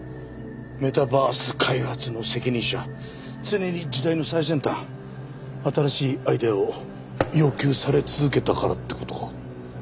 メタバース開発の責任者常に時代の最先端新しいアイデアを要求され続けたからって事か。